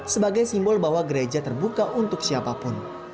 sebagai simbol bahwa gereja terbuka untuk siapapun